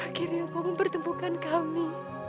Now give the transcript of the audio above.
akhirnya kamu bertemukan kami